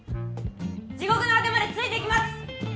地獄の果てまでついていきます！